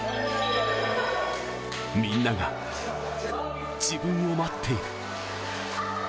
みんなが自分を待っている。